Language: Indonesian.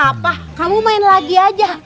gak apa apa kamu main lagi aja